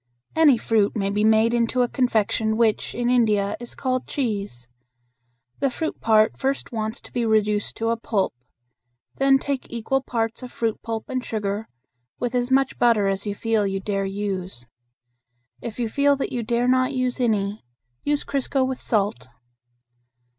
Any fruit may be made into a confection which, in India, is called "cheese." The fruit part first wants to be reduced to a pulp. Then take equal parts of fruit pulp and sugar, with as much butter as you feel you dare use. If you feel that you dare not use any, use crisco with salt.